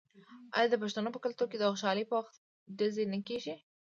آیا د پښتنو په کلتور کې د خوشحالۍ په وخت ډزې نه کیږي؟